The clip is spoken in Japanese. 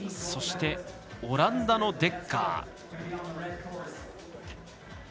そして、オランダのデッカー。